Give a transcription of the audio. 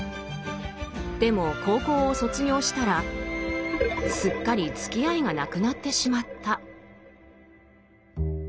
でも高校を卒業したらすっかりつきあいがなくなってしまった。